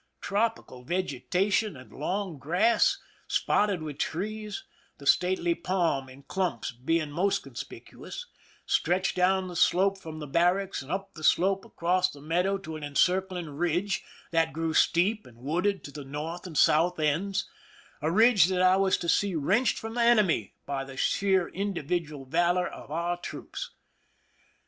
Tropical vegeta tion and long grass, spotted with trees, the stately palm in clumps being most conspicuous, stretched down the slope from the barracks, and up the slope across the meadow to an encircling ridge, that grew steep and wooded to the north and south ends— a ridge that I was to see wrenched from the enemy by the sheer individual valor of our troops.